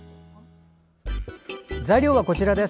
材料は、こちらです。